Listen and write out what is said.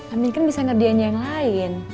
amin kan bisa ngerti aja yang lain